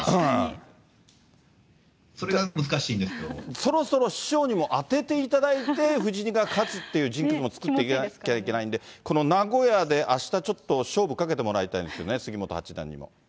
そろそろ師匠にも当てていただいて、藤井二冠が勝つっていうジンクスも作っていかなきゃいけないんで、この名古屋で、あした、ちょっと勝負かけてもらいたいんですよね、杉本八段にも。